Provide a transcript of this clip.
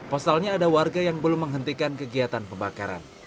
pasalnya ada warga yang belum menghentikan kegiatan pembakaran